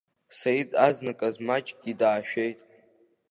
Саид азныказ маҷкгьы даашәеит.